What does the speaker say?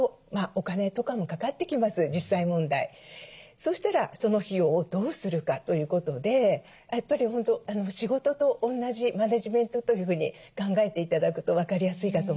そしたらその費用をどうするかということでやっぱり本当仕事と同じマネジメントというふうに考えて頂くと分かりやすいかと思います。